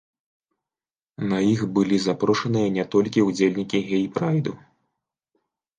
На іх былі запрошаныя не толькі ўдзельнікі гей-прайду.